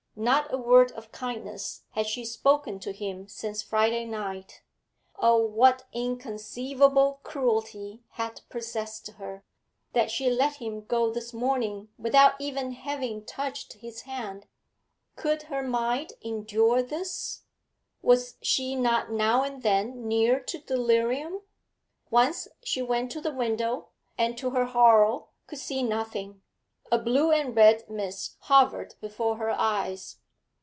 Not a word of kindness had she spoken to him since Friday night. Oh, what inconceivable cruelty had possessed her, that she let him go this morning without even having touched his hand! Could her mind endure this? Was she not now and then near to delirium? Once she went to the window, and, to her horror, could see nothing; a blue and red mist hovered before her eyes.